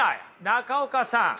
中岡さん